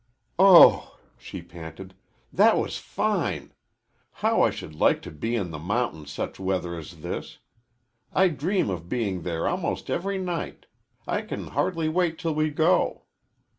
"Oh," she panted, "that was fine! How I should like to be in the mountains such weather as this. I dream of being there almost every night. I can hardly wait till we go."